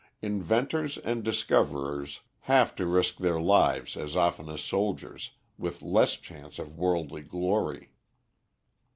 Inventors and discoverers have to risk their lives as often as soldiers, with less chance of worldly glory.